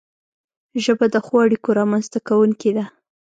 ژبه د ښو اړیکو رامنځته کونکی ده